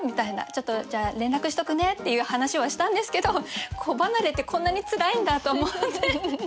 ちょっとじゃあ連絡しとくねっていう話はしたんですけど子離れってこんなにつらいんだと思って。